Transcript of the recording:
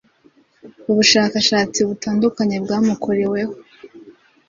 ubushakashatsi butandukanye bwamukoreweho